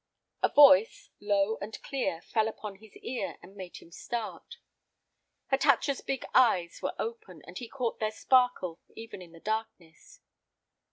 A voice, low and clear, fell upon his ear and made him start. Hatatcha's big eyes were open and he caught their sparkle even in the darkness.